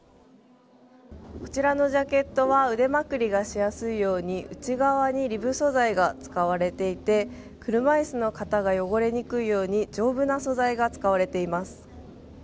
こちらのジャケットは腕まくりがしやすいように内側にリブ素材が使われていて車いすの方が汚れにくいように丈夫な素材が使われています。